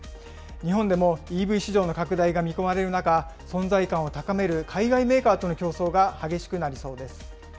日本でもＥＶ市場の拡大が見込まれる中、存在感を高める海外メーカーとの競争が激しくなりそうです。